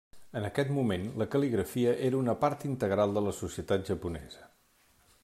En aquest moment, la cal·ligrafia era una part integral de la societat japonesa.